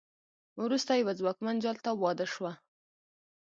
وروسته یوه ځواکمن جال ته واده شوه.